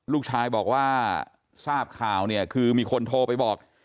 ลูกชายบอกว่าทราบข่าวเนี่ยคือมีคนโทรไปบอก